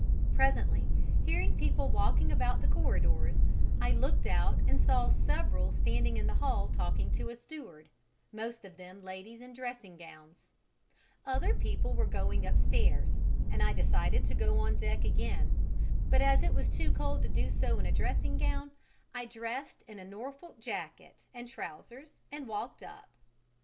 Presently, hearing people walking about the corridors, I looked out and saw several standing in the hall talking to a steward most of them ladies in dressing gowns; other people were going upstairs, and I decided to go on deck again, but as it was too cold to do so in a dressing gown, I dressed in a Norfolk jacket and trousers and walked up.